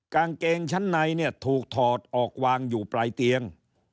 กางเกงชั้นในเนี่ยถูกถอดออกวางอยู่ปลายเตียง